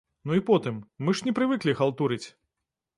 Ну і потым, мы ж не прывыклі халтурыць!